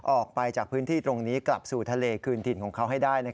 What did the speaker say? ออกไปจากพื้นที่ตรงนี้กลับสู่ทะเลคืนถิ่นของเขาให้ได้